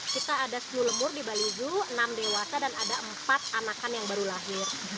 kita ada sepuluh lemur di bali zoo enam dewasa dan ada empat anakan yang baru lahir